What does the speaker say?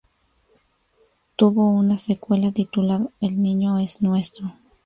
Tuvo una secuela titulada El niño es nuestro.